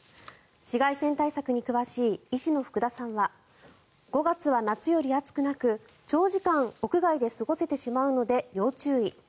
紫外線対策に詳しい医師の福田さんは５月は夏より暑くなく長時間屋外で過ごせてしまうので要注意。